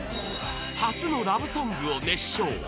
初のラブソングを熱唱！